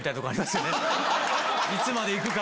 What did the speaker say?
いつまで行くか？